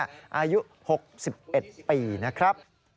อายุ๖๑ปีนะครับ